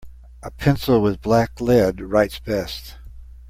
A pencil with black lead writes best.